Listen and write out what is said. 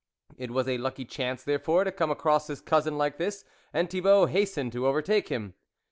It was a lucky chance therefore to come across his cousin like this, and Thibault hastened to overtake him.